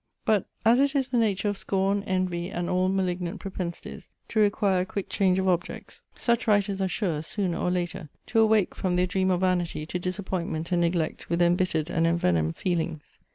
But as it is the nature of scorn, envy, and all malignant propensities to require a quick change of objects, such writers are sure, sooner or later, to awake from their dream of vanity to disappointment and neglect with embittered and envenomed feelings.